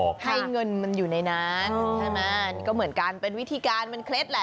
มีเงินอยู่ในนั้นใช่มั้ยก็เหมือนการเป็นวิธีการมันเคล็ดแล้ว